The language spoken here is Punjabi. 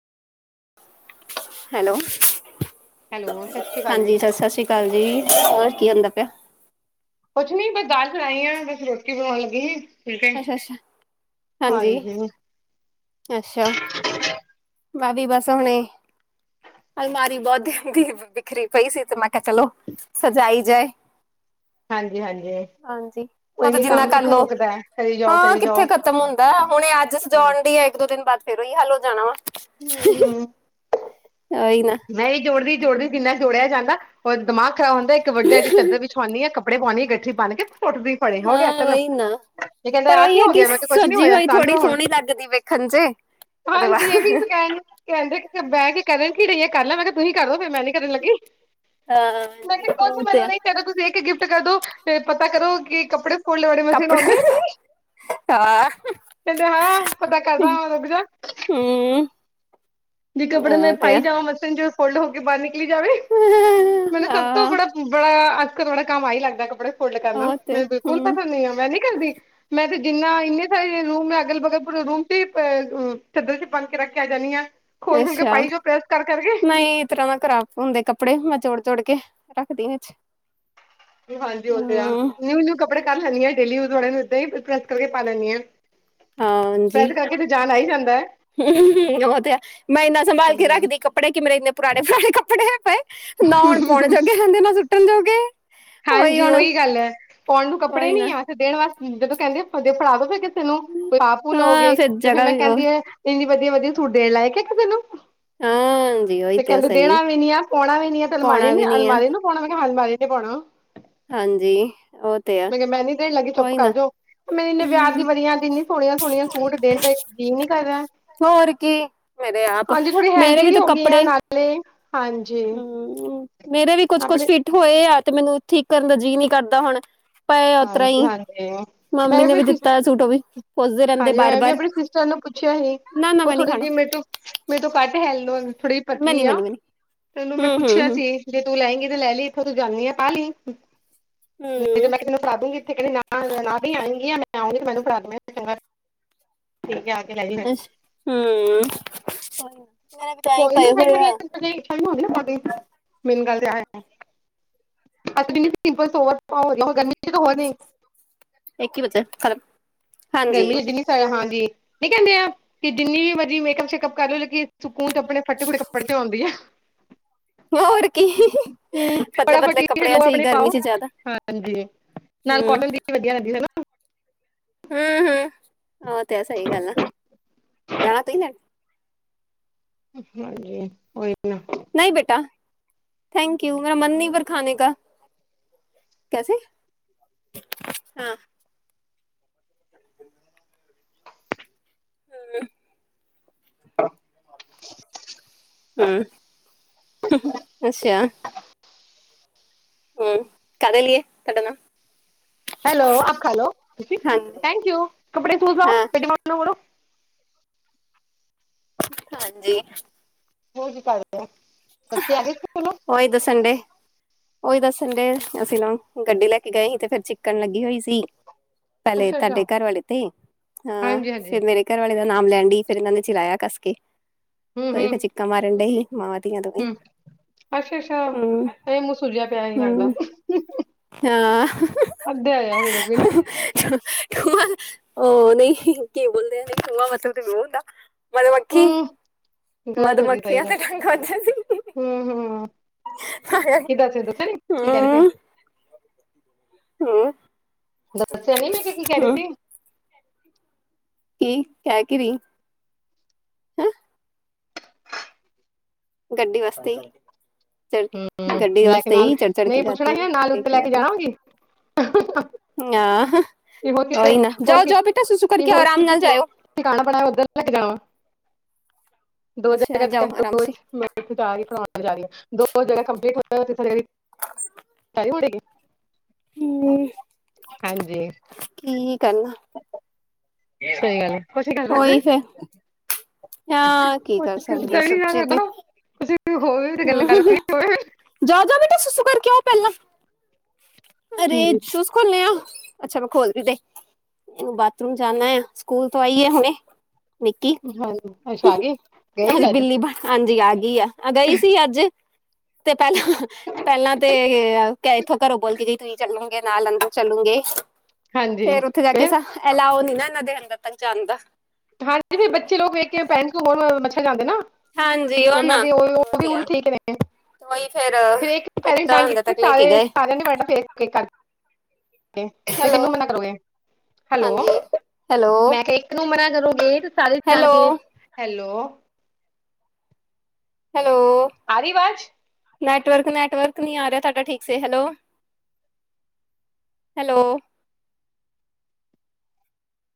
ਹੈਲੋ, ਹੈਲੋ ਸਤਿ ਸ਼੍ਰੀ ਅਕਾਲ ਜੀ ਹਾਂਜੀ ਸਤਿ ਸ ਸ਼੍ਰੀ ਕਾਲ ਜੀ, ਹੋਰ ਕੀ ਹੁੰਦਾ ਪਿਆ। ਕੁਛ ਨੀ ਬਸ ਦਾਲ ਚੜਾਈ ਐ, ਬਸ ਰੋਟੀ ਬਣਾਣ ਲੱਗੀ ਸੀ। ਫੁਲਕੇ ਅੱਸ਼ਾ-ਅੱਸ਼ਾ, ਹਾਂਜੀ ਅੱਸ਼ਾ ਮੈ ਵੀ ਬਸ ਐ ਹੁਣੇ ਅਲਮਾਰੀ ਬੋਤ ਦਿਨ ਦੀ ਬਿਖਰੀ ਪਈ ਸੀ ਤੇ ਮੈਂ ਕਿਹਾ ਚਲੋ ਸਜਾਈ ਜਾਏ। ਹਾਂਜੀ ਹਾਂਜੀ ਹਾਂਜੀ, ਓ ਕੋਈ ਨੀ ਜਿੰਨਾ ਕੰਮ ਕਿੱਥੇ ਕਰਲੋ। ਮੁੱਕਦਾ ਹੈ ਕਰੀ ਜਾਓ ਹਾਂ ਕਰੀ ਜਾਓ ਕਿੱਥੇ ਕ ਖਤਮ ਹੁੰਦੈ, ਹੁਣੇ ਅੱਜ ਸਜਾਉਣ ਦੀ ਆ ਇੱਕ ਦੋ ਦਿਨ ਬਾਅਦ ਫੇਿਰ ਉਈ ਹੱਲ ਹੋ ਜਾਣਾ ਵਾ। ਹੁੰ-ਹੁੰ ਓਈ ਨਾ ਮੈਂ ਵੀ ਜੋੜਦੀ-ਜੋੜਦੀ, ਕਿੰਨਾ ਜੋੜਿਆ ਜਾਂਦਾ ਓਹ ਦਮਾਗ਼ ਖ਼ਰਾਬ ਹੁੰਦੈ, ਇੱਕ ਵੱਡਾ ਜਾ ਚੱਦਰ ਵਿਛਵਾਨੀ ਹਾਂ ਕੱਪੜੇ ਪਵਾਨੀ ਹਾਂ ਗਠਰੀ ਬੰਨ ਕੇ ਸੁਟ ਤੀ ਹਾਂ, ਵਈ ਨਾ। ਪਰ ਆਹ ਓਹੀ ਕੀ ਹੈ ਹੋ ਕਿ ਗਿਆ ਮੈਂ ਕਿਹਾ ਕੁਛ ਨੀ ਸੱਜੀ ਹੋਇਆ ਹੋਈ ਸ਼ਾਂਤ ਥੋੜ੍ਹੀ ਰਹੋ ਹੁਣ ਸੋਹਣੀ ਲੱਗਦੀ ਵੇਖਣ ਚ ਉਹਦੇ ਹਾਂਜੀ, ਏਹ ਵੀ ਬਾਅਦ ਕਹਿਣ ਕਹਿੰਦੇ ਇੱਥੇ ਬਹਿ ਕੇ ਕਰਨ ਕੀ ਰਹੀਏ ਕਰ ਲੈ, ਮੈਂ ਕ ਤੁਸੀਂ ਕਰਦੋ ਫਿਰ ਮੈਂ ਨੀ ਕਰਨ ਲੱਗੀ। ਮੈਂ ਕਿਹਾ ਹਾਂ ਉਹ ਕੁਛ ਤੇ ਮੈਨੂੰ ਆ ਨਹੀਂ ਕਹਿੰਦੇ, ਤੁਸੀਂ ਇੱਕ ਗਿਫਟ ਕਰਦੋ ਤੇ ਪਤਾ ਕਰੋ ਕੀ ਕੱਪੜੇ ਫੋਲਣ ਵਾਲੀ ਮਸ਼ੀਨ ਕੱਪੜਾ ਹੋਂਦੀ ਏ ਕੀ। ਹਾਂ। ਕੇਂਦੇ ਹਾਂ ਪਤਾ ਕਰਦਾ ਰੁਕ ਜਾ। ਹੂੰ। ਜੇ ਕਪੜੇ ਮੈਂ ਪਾਈ ਜਾਵਾਂ ਮਸ਼ੀਨ ਚ ਫੋਲਡ ਹੋ ਕੇ ਬਾਰ ਨਿਕਲੀ ਜਾਵੇ, ਮੈਨੂੰ ਸਭ ਤੋਂ ਹਾਂ ਬੜਾ ਬੜਾ ਆਕਰ ਵਾਲਾ ਕੰਮ ਆਈ ਲੱਗਦਾ ਕੱਪੜੇ ਫੋਲਡ ਕਰਨਾ ਉਹ ਤੇ ਮੈਂ ਬਿਲਕੁਲ ਹਮ ਪਸੰਦ ਨੀ ਐ ਮੈਂ ਨੀ ਕਰਦੀ। ਮੈਂ ਤੇ ਜਿੰਨਾ ਇਨੇ ਸਾਰੇ ਰੂਮ ਅਗਲ-ਬਗਲ ਰੂਮ ਚਾਦਰ ਚ ਬਣ ਕੇ ਰੱਖ ਕੇ ਆ ਜਾਨੀ ਆ। ਅੱਛਾ ਨਈ ਤਰਾ ਮੈਂ ਖਰਾਬ ਹੁੰਦੇ ਕੱਪੜੇ ਮੈਂ ਜੋੜ-ਜੋੜ ਕੇ ਰੱਖਦੀ ਵਿਚ। ਹਾਂਜੀ ਉਹ ਤੇ ਆ ਨਿਊ-ਨਿਊ ਕੱਪੜੇ ਕਰ ਲੈਦੀ ਆ ਡੇਲੀੇ ਯੂਜ ਵਾਲੇ ਨੂੰ ਏਦਾਂ ਈ ਪ੍ਰੈਸ ਕਰਕੇ ਪਾ ਲੈਨੀ ਆ। ਹਾਂ ਪ੍ਰੈਸ ਕਰਕੇ ਜਾਨ ਆਈ। ਜਾਂਦਾ। ਉਹ ਤੇ ਮੈਂ ਇੰਨਾ ਸੰਭਾਲ ਕੇ ਹਾਂਜੀ। ਰੱਖਦੀ ਕੱਪੜੇ ਕਿ ਮੇਰੇ ਇੰਨੇ ਪੁਰਾਣੇ-ਪੁਰਾਣੇ ਕੱਪੜੇ ਹਐ ਪਏ। ਨਾ ਉਂਣ ਪੋਣੋ ਜਾਗੇ ਰੇੰਦੇ ਨਾ ਸੁੱ ਹਾਂਜੀ ਉਹੀ ਗੱਲ ਐ ਪੋਣ ਨੂੰ ਕੱਪੜੇ ਉਹੀ ਨਾ ਨੀ ਆ ਤੇ ਦੇਣ ਵਾਸਤੇ ਜਦੋਂ ਕੇਂਦੇ ਹ ਫੜਾਵੋ ਫਿਰ ਨੂੰ ਕੋਈ ਪਾ-ਪੂ ਹਾਂ ਲਓਗੇ ਫੇਰ ਤੇ ਫਿਰ ਜਗ੍ਹਾ ਮੈਂ ਵੀ ਉਹ ਕੇਂਦੀ ਆ ਇੰਨੀ ਵਧੀਆ-ਵਧੀਆ ਸੂਟ ਦੇਣ ਲਾਇਕ ਐ ਕਿਸੇ ਨੂੰ। ਹਾਂਜੀ ਉਹੀ ਤੇ ਉਹ ਕੇਂਦੇ ਸਹੀ ਦੇਣਾ ਵੀ ਨੀ ਐ ਪਾਉਣਾ ਵੀ ਨੀ ਐ ਤੇ ਅਲਮਾਰੀ ਪਾਉਣਾ ਨੇ ਵੀ ਨੀ ਆ ਅਲਮਾਰੀ ਨੂੰ ਪੋਣਾ ਮੈਂ ਕਿਆ ਹਾਂ ਅਲਮਾਰੀ ਤੇ ਪੋਣਾ। ਹਾਂਜੀ ਉ ਤੇ ਆ ਮੈਂ ਨੀ ਦੇਣ ਲੱਗੀ ਚੁੱਪ ਉਹੀ ਕਰ ਨਾ ਜੋੋ ਮੇਰੇ ਇੰਨੇ ਵਿਆਹ ਹਮ ਦੀ ਬਣੀਆਂ ਇੰਨੀ ਸੋਹਣੀਆਂ-ਸੋਹਣੀਆਂ ਸੂਟ ਦੇਣ ਤੇ ਜੀ ਨੀ ਕਰ ਰਾ। ਹੋਰ ਕੀ, ਮੇਰੇ ਆਪ ਥੋੜੀ ਮੇਰੇ ਹੈਲਦੀ ਵੀ ਤੇ ਹੋ ਗਈ ਆ ਕੱਪੜੇ ਨਾਲੇ ਹਾਂਜੀ ਹੂੰ ਮੇਰੇ ਵੀ ਕੁਛ-ਕੁਛ ਆਪਣੇ ਫਿਟ ਹੋਏ ਆ ਤੇ ਮੈਨੂੰ ਠੀਕ ਕਰਨ ਦਾ ਜੀਅ ਨੀ ਕਰਦਾ ਹੁਣ। ਪਏ ਆ ਉਸਤਰ੍ਹਾਂ ਹਾਂਜੀ ਈ ਹਾਂਜੀ। ਮੰਮੀ ਮੈਂ ਨੇ ਵੀ ਆਪਣੀ ਦਿੱਤਾ ਸੂਟ ਔ ਵੀ ਪੁੱਛਦੇ ਰੇਂਦੇ ਬਾਰ-ਬਾਰ। ਸਾਨੂੰ ਪੁੱਛਿਆ ਸੀ ਉਹ ਥੋੜੀ ਜੀ ਮੇਰੇ ਤੋਂ, ਮੇਰੇ ਤੋਂ ਕੱਦ ਹੈਲੋ ਥੋੜੀ ਜੀ ਮੈਂ ਨੀ ਪਤਲੀ ਮੈਂ ਆ। ਨੀ ਮੈਂ ਨੀ ਤੈਨੂੰ ਮੈਂ ਹਮ ਹਮ ਪੁੱਛਿਆ ਹਮ ਸੀ। ਜੇ ਤੂੰ ਲੈਗੀ ਤੇ ਲੈ ਲੀ ਇੱਥੇ ਤੂੰ ਜਾਂਦੀ ਆ ਪਾ ਲੀ, ਨੀ ਤੇ ਮੈੰ ਕਿਸੀ ਹਮ ਨੂੰ ਫੜਾਉਂਦੀ ਗੀ ਇੱਥੇ ਕਹਿੰਦੀ ਨਾਲ ਨਾ ਵੀ ਆਂਗੀ ਯਾ ਮੈਂ ਆਊਗੀ ਮੈਨੂੰ ਫੜਾ [inaudible] ਠੀਕ ਐ। ਅੱਛ ਹੂੰ। [unintelligible] [unintelligible] ਗਰਮੀ ਚ ਇੱਕ ਹੀ ਵਚਾ ਖਾ ਗਰਮੀ ਜਿੰਨੀ ਸ ਹਾਂਜੀ ਨੀ ਕੇਂਦੇ ਆ ਕਿ ਜਿੰਨੀ ਵੀ ਮਰਜ਼ੀ ਮੇਕਅਪ ਸ਼ੇਕਅਪ ਕਰੋ ਲਗੀ ਸਕੂਨ ਚ ਆਪਣੇ ਫੱਟੇ-ਫੁਟੇ ਕੱਪੜੇ ਤੇ ਔਂਦੀ ਐ। ਹੋਰ ਕੀ ਫਟਾਫਟ ਪਤਲੇ-ਪਤਲੇ ਟੀ ਸ਼ਰਟ ਕੱਪੜਿਆਂ ਲਓ ਚ ਹੀ ਆਪਣੀ ਗਰਮੀ ਪਾਓ ਚ ਜਾਦਾ ਹਾਂਜੀ ਨਾਲ ਹੂੰ। ਕੋਟਨ ਦੀ ਵਧੀਆ ਲਗਦੀ ਹਨਾ। ਹੂੰ-ਹੂੰ ਔ ਤੇ ਐ ਸਈ ਗੱਲ ਆ, ਜਾਣਾ ਤੁਹੀ ਲੈ ਹਾਂਜੀ ਔਈ ਨਾ। ਨੂਈ ਬੇਟਾ, ਥੈਂਕ ਯੂ ਮੇਰਾ ਮਨ ਨੀ ਪਰ ਖਾਨੇ ਕਾ। ਕੈਸੇ ਹਾਂ। ਹੂੰ। [inaudible] [inaudible] ਹਮ ਅੱਛਾ। ਹਮ, ਕਾਹਦੇ ਲੀਏ ਕਡਨਾ। ਹੈਲੋ, ਆਪ ਖਾਲੋ, ਤੁਸੀਂ ਹਾਂਜੀ ਥੈਂਕ ਯੂ, ਕਪੜੇ ਸੂ ਜਾਓ, ਹਾਂ ਤੇ ਡਿਮਾਂਡ ਨੂੰ ਵੜੋ ਹਾਂਜੀ। ਰੋਜ ਈ ਕਰ ਦਾ, ਬੱਚੇ ਆ ਗਏ ਸੀ ਸਕੂਲੋ? ਓਹੀ ਦੱਸਣ, ਡੇ ਉਹੀ ਦੱਸਣ ਡੇ, ਅਸੀਂ ਨਾ ਗੱਡੀ। ਲੈ ਕੇ ਗਏ ਸੀ। ਤੇ ਫਿਰ ਚੀਕਣ ਲੱਗੀ ਹੋਈ ਸੀ। ਪਹਿਲੇ ਅੱਛਾ ਅੱਛਾ ਤੁਹਾਡੇ ਘਰ ਵਾਲੇ ਤੇ, ਹਾ ਹਾਂਜੀ ਹਾਂਜੀ ਫਿਰ ਮੇਰੇ ਘਰ ਵਾਲੇ ਦਾ ਨਾਮ ਲੈਣ ਡਈ ਫੇਰ ਇਹਨਾਂ ਨੇ ਚਲਾਇਆ ਕੱਸ ਕੇ, ਤਾ ਈਂ ਤਾਂ ਹੀ ਚੀਕਾਂ ਮਾਰਨ ਡਈ ਸੀ ਮਾਾਂ ਹੁ ਅੱਛਾ-ਅੱਛਾ ਹੂੰ ਤਾਂ ਹੀ ਮੂੰਹ ਸੂਝਿਆ, ਪਿਆ ਹੀ ਲੱਗਦਾ ਹੂੰ ਹਾਂ ਅੱਧੇ ਆਇਆ ਫਿਰ ਵੀ ਨਾ ਖੂਆ, ਉਹ ਨਹੀਂ, ਕੀ ਬੋਲਦੇ ਆ ਨਈ ਖੂਆ ਮਤਲਬ, ਤੇ ਬਹੁਤ ਹੁੰਦਾ ਮਧੂ-ਮੱਖੀ ਹੂੰ ਗਲਤ ਹੋ ਗਈ ਮਧੂਮੱਖੀਆ [unintelligible] ਸਹੀ [inaudible] ਆ ਹਾਏ ਹੂੰ ਹੂੰ -ਹਾਏ ਕਿੱਦਾਂ ਸੀ ਦੱਸਿਆ ਨੀ ਕੀ ਕਹਿ ਰਹੇ ਹੁੰ ਹਮ। ਦੱਸਿਆ ਨਈ, ਮੈਂ ਕੀ-ਕੀ ਕਹਿ ਰਹੀ ਸੀ। ਕੀ ਹੈ ਕਿ, ਨਹੀਂ। ਗੱਡੀ ਵਾਸਤੇ ਈ, ਚੜ ਹੂੰ ਗੱਡੀ ਲੈ ਕੇ ਵਾਸਤੇ ਨਾਲ ਹੀ ਚੜ੍ਹ- ਚੜ੍ਹ ਕੇ ਨਹੀਂ ਜਾਂਦੀ ਪੁੱਛਣਾ ਉਹ ਹੀ ਨਾਲ ਉੱਤੇ ਲੈ ਪੇਕਿਆਂ ਕੇ ਤੇ ਜਾਣਾ ਹੋਗੀ [unintelligible] [inaudible] ਆਹ ਕਿ ਹੋਰ ਕਿਤੇ ਉਹੀ ਨਾ, ਹੋਰ ਕਿ ਜਾਓ-ਜਾਓ ਬੇਟਾ ਸੁਸੂ ਕਰਕੇ ਆਉ ਹੋਰ ਆਰਾਮ ਕਿਤੇ ਨਾਲ ਜਾਇਓ [inaudible] ਉੱਧਰ ਲੱ ਕੇ ਜਾਉ [unintelligible] ਦੋ ਜ ਅੱਛਾ ਜਾਓ ਆਰਾਮ ਦੋ ਸੇ ੱਥੇ ਜਾ ਰਹੀੜਉਣ ਜਾ ਰ ਦੋ ਜੜ [unintelligible] ਕੰਪਲੀਟ ਹੋਥ [inaudible] ਹਡਗੇ [unintelligible] [unintelligible] ਹਮ ਹਾਂਜੀ, ਕਰਨਾ ਸਹੀ ਗੱਲ ਕੁਛ ਐ, ਕਰ ਨਈ ਕਰ ਸਕਦੇ ਉਹੀ ਫੇਰ ਹਾਂ, ਕੀ ਕਰ ਸਕਦੇ ਆ ਸੱਚੇ ਤੇ, ਕੁਛ ਤੇ ਹੋਰ ਗੱਲ -ਗੱਲ ਤੇ ਹੋਵੇ [unintelligible] ਜਾਉ -ਜਾਓ ਬੇਟਾ, ਸੱਸੂ ਕਰ ਕੇ ਆਓ ਪਹਿਲਾਂ। ਅਰੇ ਹਾਂਜੀ ਸੂਸ ਕੌ ਨਿਆਂ, ਅੱਛਾ ਫਿਰ ਖੋਲਦੇ ਵੀ ਦੇ ਇਨੇ ਬਾਥਰੂਮ ਜਾਣਾ ਏ, ਸਕੂਲ ਤੋਂ ਆਈ ਏ ਹੁਣੇ ਨਿੱਕੀ ਹਾਂਜੀ, ਅਛਾ ਆ ਗਏ, ਗਈ ਸੀ ਅੱਜ? ਬਿੱਲੀ ਬਣ ਹਾਂਜੀ, ਆ ਗਈ ਆ ਗਈ ਸੀ। ਅੱਜ ਤੇ ਪਹਿਲਾ-ਪਹਿਲਾਂ ਤੇ ਇੱਥੋਂ ਘਰੋਂ ਬੋਲਦੀ ਗਈ, ਤੁਹੀ ਚੱਲੋ ਕਿ, ਨਾਲ ਅੰਦਰ ਚਲੂਗੇ, ਹਾਂਜੀ ਫੇਰ ਉੱਥੇ ਜਾ ਕੇ ਸ ਫਿਰ ਐਲਾਓ ਨਈ ਨਾ ਇਹਨਾਂ ਦੇ, ਅੰਦਰ ਤੱਕ ਜਾਣ ਦਾ ਹਾਂਜੀ, ਵੀ ਬੱਚੇ ਲੋਕ ਵੇਖ ਕੇ ਭੈਣ ਕੋ ਬੋਲ, ਮੱਛਰ ਜਾਂਦੇ ਨਾ ਹਾਂਜੀ ਉਹ ਉਨਾਂ ਨਾ ਦੀ ਉਹ ਉਹ-ਉਹ ਵੀ ਤੇ ਆ ਰੂਲ ਠੀਕ ਨੇ ਉਹੀ ਫੇਰ ਫਿਰ [unintelligible] ਕੀਤਾ ਸਾਰੇ ਅੰਦਰ ਤੱਕ ਲੈ ਕੇ ਗਏ ਸਾਰਿਆਂ ਨੇ [unintelligible] ਕੀਤਾ [inaudible] ਫਿਰ ਕਿਨੂੰ ਹੈਲੋ ਮਨਾ ਕਰੋਗੇ, ਹੈਲੋ ਹਾਂਜੀ ਹੈਲੋ ਮੈਂ ਕਿ, ਕਿਨੂੰ ਮਨਾ ਕਰੋਗੇ, ਤੇ ਸਾਰੇ ਟਲ ਹੈਲੋ ਗਏ ਹੈਲੋ ਹੈਲੋ ਆ ਰਹੀ ਵਾਜ਼? ਨੈਟਵਰਕ -ਨੈਟਵਰਕ ਨਈ ਆ ਰਿਹਾ, ਤੁਹਾਡਾ ਠੀਕ ਸੇ ਹੈਲੋ ਹੈਲੋ